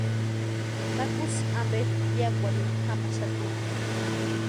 Takusï ampe piakwarhini jamaxati.